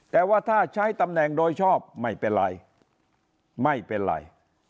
แต่ว่าถ้าใช้ตำแหน่งโดยชอบไม่เป็นไรไม่เป็นไร